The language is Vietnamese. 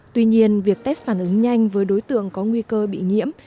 tuy nhiên việc test phản ứng nhanh với đối tượng có nguy cơ bị nhiễm